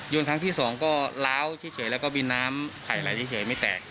ครั้งที่สองก็ล้าวเฉยแล้วก็มีน้ำไข่ไหลเฉยไม่แตก